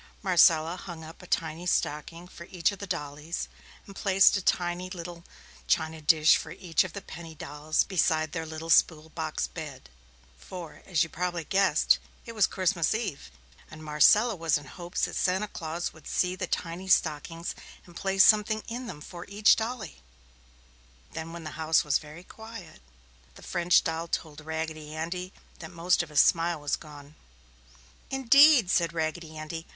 Marcella hung up a tiny stocking for each of the dollies, and placed a tiny little china dish for each of the penny dolls beside their little spool box bed. For, as you probably have guessed, it was Christmas eve, and Marcella was in hopes Santa Claus would see the tiny stockings and place something in them for each dollie. Then when the house was very quiet, the French doll told Raggedy Andy that most of his smile was gone. "Indeed!" said Raggedy Andy.